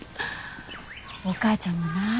お母ちゃんもな